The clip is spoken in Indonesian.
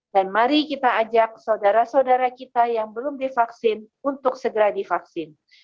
dan mari kita ajak saudara saudara kita yang belum divaksin untuk segera divaksin